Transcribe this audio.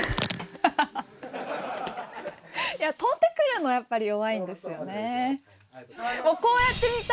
いや、飛んでくるの、やっぱり弱いんですよね。